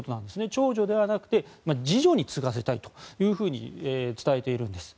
長女ではなくて次女に継がせたいというふうに伝えているんです。